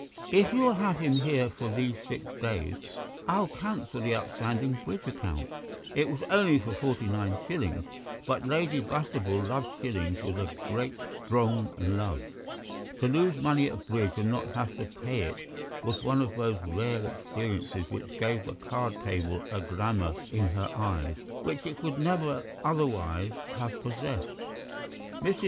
"If you'll have him here for these six days I'll cancel that outstanding bridge account." It was only for forty nine shillings, but Lady Bastable loved shillings with a great, strong love. To lose money at bridge and not to have to pay it was one of those rare experiences which gave the card table a glamour in her eyes which it could never otherwise have possessed. Mrs.